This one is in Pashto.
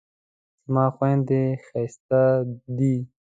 زما خویندې ښایستې دي